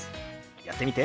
やってみて。